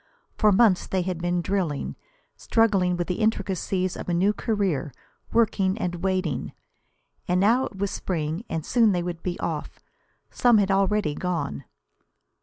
For months they had been drilling, struggling with the intricacies of a new career, working and waiting. And now it was spring, and soon they would be off. Some had already gone.